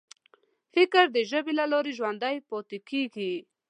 فکر د ژبې له لارې ژوندی پاتې کېږي.